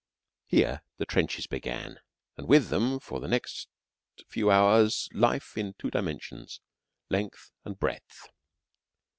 Here the trenches began, and with them for the next few hours life in two dimensions length and breadth.